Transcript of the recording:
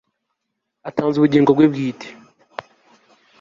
atanze ubugingo bwe bwite